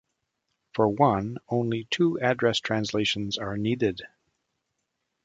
For one, only two address translations are needed.